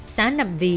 xá nằm vì